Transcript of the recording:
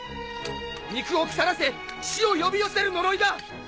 肉を腐らせ死を呼び寄せる呪いだ！